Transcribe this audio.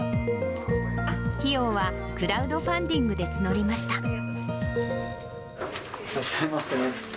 費用はクラウドファンディングで募りました。